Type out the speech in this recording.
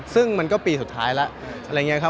ซึ่งมันก็ปีสุดท้ายละ